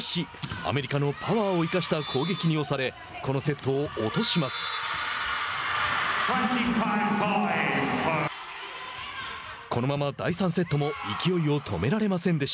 アメリカのパワーを生かした攻撃に押されこのセットを落とします。